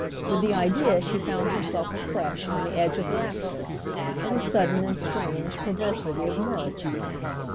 With the idea she found herself afresh on the edge of laughter, of a sudden and strange perversity of mirth.